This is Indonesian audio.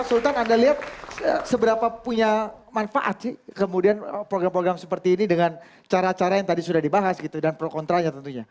pak sultan anda lihat seberapa punya manfaat sih kemudian program program seperti ini dengan cara cara yang tadi sudah dibahas gitu dan pro kontranya tentunya